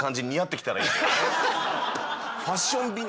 ファッション瓶に。